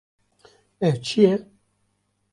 Ev çi ye?